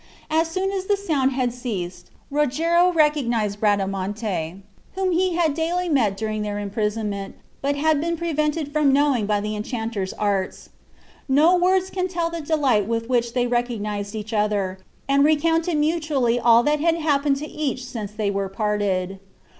As soon as the sound had ceased Rogero recognized Bradamante, whom he had daily met during their imprisonment, but had been prevented from knowing by the enchanter's arts. No words can tell the delight with which they recognized each other, and recounted mutually all that had happened to each since they were parted.